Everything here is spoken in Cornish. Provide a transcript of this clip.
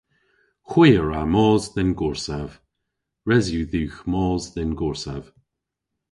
Hwi a wra mos dhe'n gorsav. Res yw dhywgh mos dhe'n gorsav.